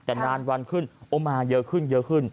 แต่นานวันขึ้นโอ้มาเยอะขึ้นเยอะขึ้น